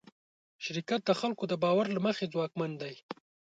شرکت د خلکو د باور له مخې ځواکمن دی.